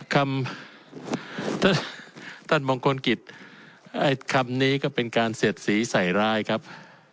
คำท่านมงคลกิจคำนี้ก็เป็นการเสียดสีใส่ร้ายครับ